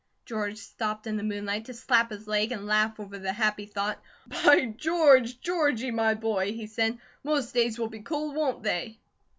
George stopped in the moonlight to slap his leg and laugh over the happy thought. "By George, Georgie, my boy," he said, "most days will be cold, won't they?"